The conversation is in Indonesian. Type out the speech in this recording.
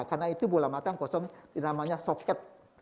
karena itu bola mata kosong dinamanya soket